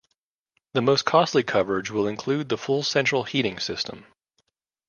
The most costly coverage will include the full central heating system.